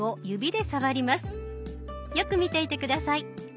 よく見ていて下さい。